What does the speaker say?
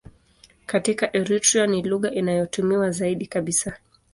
Katika Eritrea ni lugha inayotumiwa zaidi kabisa.